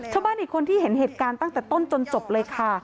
ชาวบ้านอีกคนที่เห็นเหตุการณ์ตั้งแต่ต้นจนจบเลยค่ะ